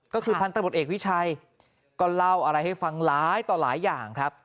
ก็คือพันธบทเอกวิชัยก็เล่าอะไรให้ฟังหลายต่อหลายอย่างครับ